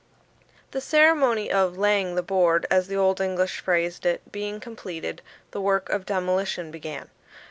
The ceremony of "laying the board," as the Old English phrased it, being completed, the work of demolition began.